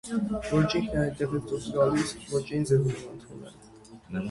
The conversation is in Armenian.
ոչ ինքն է այնտեղից դուրս գալիս, ոչ ինձ է ուզում ընդունել: